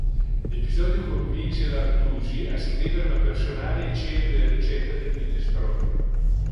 L'episodio convinse l'Artusi a scrivere una personale e celebre ricetta del minestrone.